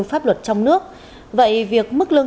pháp luật trong nước vậy việc mức lương